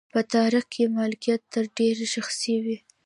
په تاریخ کې مالکیت تر ډېره شخصي و.